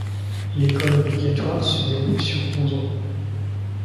L'école obligatoire se déroule sur onze ans.